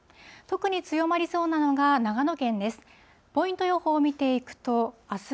特に強まりそうなのが、長野県です。